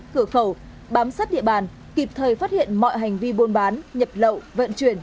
cửa khẩu bám sát địa bàn kịp thời phát hiện mọi hành vi buôn bán nhập lậu vận chuyển